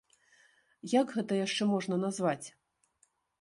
Як гэта яшчэ можна назваць?